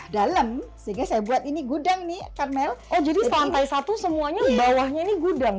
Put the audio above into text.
dalam sehingga saya buat ini gudang nih karmel oh jadi lantai satu semuanya bawahnya ini gudang